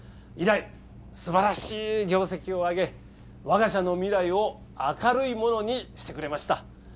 以来すばらしい業績を上げ我が社の未来を明るいものにしてくれました。